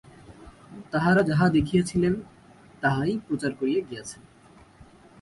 তাঁহারা যাহা দেখিয়াছিলেন, তাহাই প্রচার করিয়া গিয়াছেন।